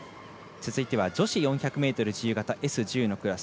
続いては女子４００ｍ自由形Ｓ１０のクラス。